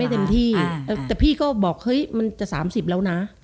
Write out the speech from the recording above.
เต็มที่แต่พี่ก็บอกเฮ้ยมันจะ๓๐แล้วนะ